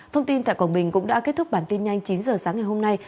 thông tin tại quảng bình cũng đã kết thúc bản tin nhanh chín h sáng ngày hôm nay